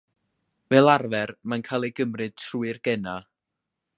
Fel arfer mae'n cael ei gymryd trwy'r genau.